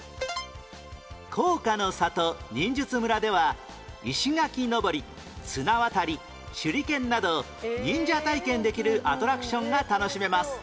甲賀の里忍術村では石垣登り綱渡り手裏剣など忍者体験できるアトラクションが楽しめます